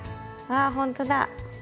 あほんとだ。